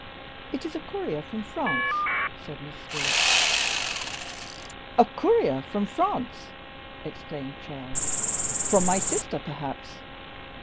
"It is a courier from France," said Miss Stewart. "A courier from France!" exclaimed Charles; "from my sister, perhaps?"